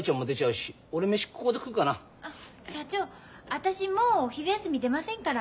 私もうお昼休み出ませんから。